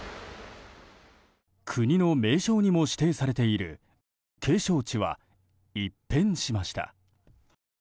国の名勝にも指定されている景勝地は一変しました。